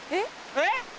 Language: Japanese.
えっ！